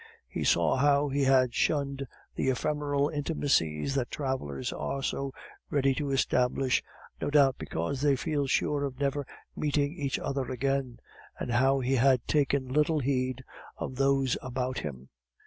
He saw how he had shunned the ephemeral intimacies that travelers are so ready to establish no doubt because they feel sure of never meeting each other again and how he had taken little heed of those about him.